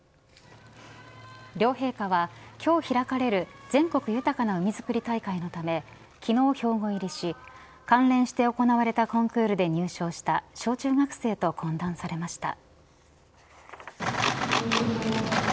両陛下は今日開かれる全国豊かな海づくり大会のため昨日、兵庫入りし関連して行われたコンクールで入賞した小中学生と懇談されました。